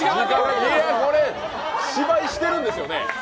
芝居してるんですよね？